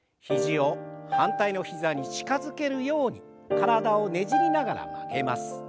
肘を反対の膝に近づけるように体をねじりながら曲げます。